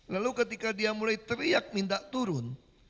lalu ketika dia mulai teriak minta turun